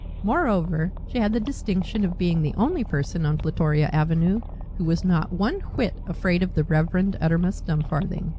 Moreover, she had the distinction of being the only person on Plutoria Avenue who was not one whit afraid of the Reverend Uttermust Dumfarthing.